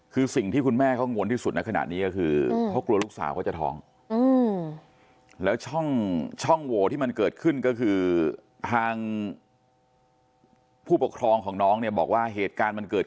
คือสิ่งที่คุณแม่เขางวนที่สุด